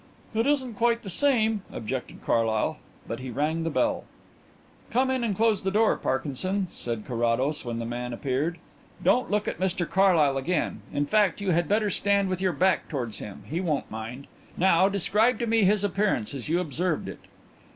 "It isn't quite the same," objected Carlyle, but he rang the bell. "Come in and close the door, Parkinson," said Carrados when the man appeared. "Don't look at Mr Carlyle again in fact, you had better stand with your back towards him, he won't mind. Now describe to me his appearance as you observed it."